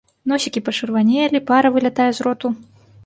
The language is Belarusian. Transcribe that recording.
Носікі пачырванелі, пара вылятае з роту.